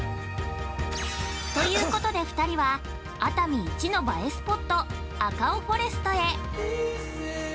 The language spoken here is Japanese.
◆ということで、２人は熱海一の映えスポットアカオフォレストへ。